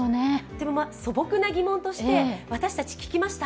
でも、素朴な疑問として、私たち聞きました。